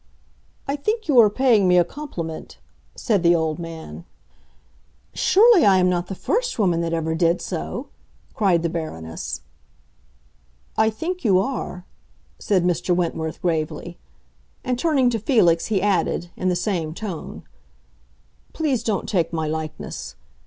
"I think you are paying me a compliment," said the old man. "Surely, I am not the first woman that ever did so!" cried the Baroness. "I think you are," said Mr. Wentworth gravely. And turning to Felix he added, in the same tone, "Please don't take my likeness.